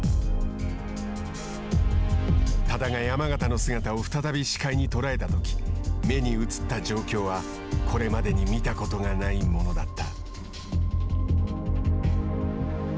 多田が山縣の姿を再び視界に捉えたとき目に映った状況はこれまでに見たことがないものだった。